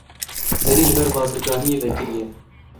Derî li ber bazirganiyê vekiriye.